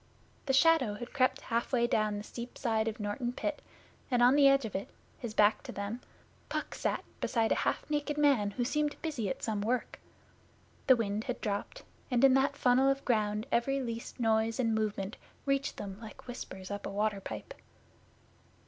The shadow had crept halfway down the steep side of Norton Pit, and on the edge of it, his back to them, Puck sat beside a half naked man who seemed busy at some work. The wind had dropped, and in that funnel of ground every least noise and movement reached them like whispers up a water Pipe.